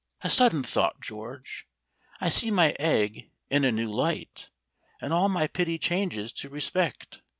"A sudden thought, George! I see my egg in a new light, and all my pity changes to respect.